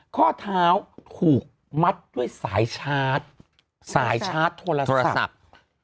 ข้อเท้าถูกมัดด้วยสายชาร์จสายชาร์จโทรศัพท์